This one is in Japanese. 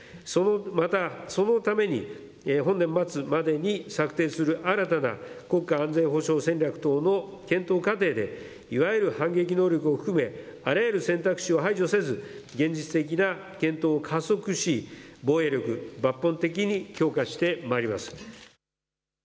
また、そのために本年末までに策定する新たな国家安全保障戦略等の検討過程でいわゆる反撃能力を含めあらゆる選択肢を排除せず現実的な検討を加速し防衛力、抜本的に強化してまいります。